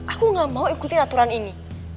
aku gak mau ikutin aturan ini